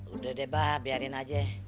udah deh bah biarin aja